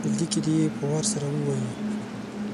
په ټولګي کې دې یې په وار سره ووايي.